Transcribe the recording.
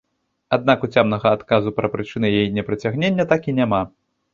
Аднак уцямнага адказу пра прычыны яе непрацягнення так і няма.